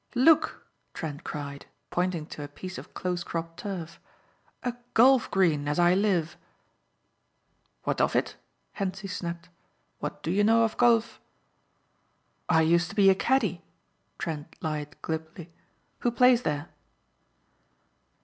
"Look!" Trent cried, pointing to a piece of close cropped turf, "a golf green as I live." "What of it?" Hentzi snapped, "what do you know of golf?" "I used to be a caddie," Trent lied glibly. "Who plays there?"